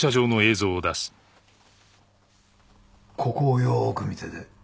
ここをよーく見てて。